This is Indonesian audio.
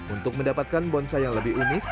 untuk mendapatkan bonsai yang lebih unik